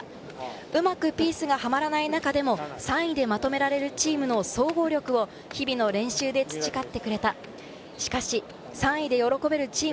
うまくピースがはまらない中でも３位でまとめられるチームの総合力を日々の練習で培ってくれた。